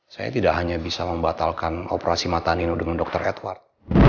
saya tidak hanya bisa membatalkan operasi mata nino dengan dr edward